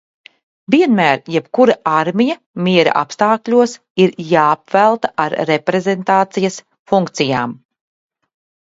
Vienmēr jebkura armija miera apstākļos ir jāapvelta ar reprezentācijas funkcijām.